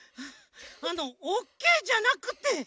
あのオッケーじゃなくて。